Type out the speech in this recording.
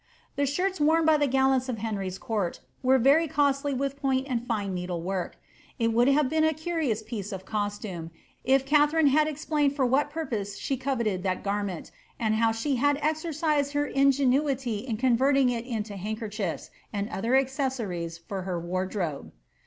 The shirts worn by the gallants of Henry's court were very cosdj with point and fine needle work. It would have been a curious pieee of costume, if Katharine had explained for what purpose she coveted this garment, and how she had exercised her ingenuity in converting it into handkerchiefs, and other little accessories to her wardrobe.